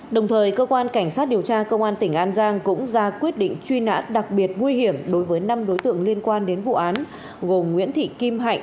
đồng thời cơ quan cảnh sát điều tra công an tỉnh an giang cũng ra quyết định truy nã đặc biệt nguy hiểm đối với năm đối tượng liên quan đến vụ án gồm nguyễn thị kim hạnh